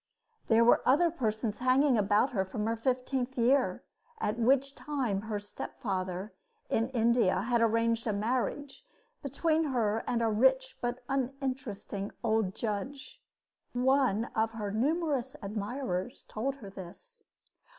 There were other persons hanging about her from her fifteenth year, at which time her stepfather, in India, had arranged a marriage between her and a rich but uninteresting old judge. One of her numerous admirers told her this.